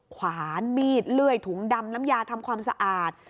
ขวานมีดเลื่อยถุงดำน้ำยาทำความสะอาด